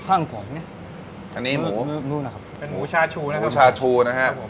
อันนี้หมูเป็นหมูชาชูนะครับ